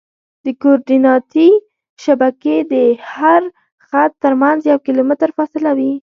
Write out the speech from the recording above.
د کورډیناتي شبکې د هر خط ترمنځ یو کیلومتر فاصله وي